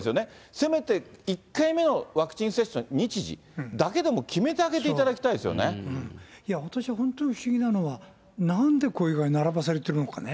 せめて１回目のワクチン接種の日時だけでも決めてあげていただき私は、本当に不思議なのは、なんでこういう具合に並ばされているのかね。